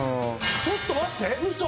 ちょっと待ってウソ！？